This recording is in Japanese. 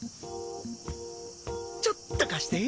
ちょっと貸して。